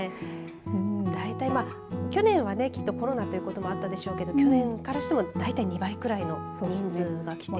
大体去年はきっとコロナということもあったでしょうけど去年からして大体２倍くらいの人数が来ている。